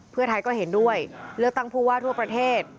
เพื่อไทยก็เห็นด้วยเลือกตั้งผู้ว่าทั่วประเทศ